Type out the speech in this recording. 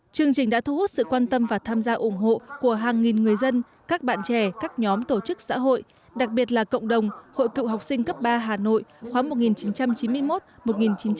chương trình đã thu hút sự quan tâm và tham gia ủng hộ của hàng nghìn người dân các bạn trẻ các nhóm tổ chức xã hội đặc biệt là cộng đồng hội cựu học sinh cấp ba hà nội khoảng một nghìn chín trăm chín mươi một một nghìn chín trăm chín mươi bốn với hơn một mươi một thành viên